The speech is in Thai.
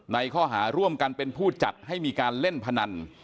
ในข้อหาร่วมกันเป็นผู้จัดให้มีการเล่นพนัน